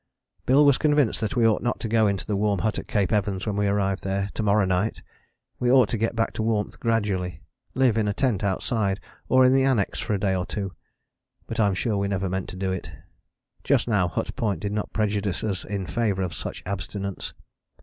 Bill was convinced that we ought not to go into the warm hut at Cape Evans when we arrived there to morrow night! We ought to get back to warmth gradually, live in a tent outside, or in the annexe for a day or two. But I'm sure we never meant to do it. Just now Hut Point did not prejudice us in favour of such abstinence.